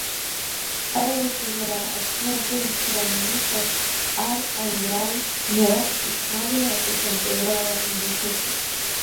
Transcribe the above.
Аилацәажәара Аԥсны атәылахьчара аминистр, ар аинрал Мираб Кьышьмариа ихантәаҩрала имҩаԥысит.